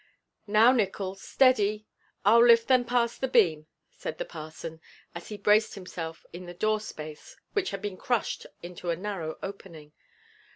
"Now, Nickols, steady! I'll lift them past the beam," said the parson, as he braced himself in the door space which had been crushed into a narrow opening.